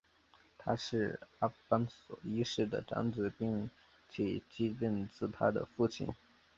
他是阿方索一世的长子并且继任自他的父亲。